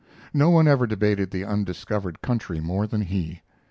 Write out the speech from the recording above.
No one ever debated the undiscovered country more than he.